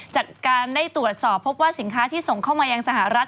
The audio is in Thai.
จากการได้ตรวจสอบพบว่าสินค้าที่ส่งเข้ามายังสหรัฐ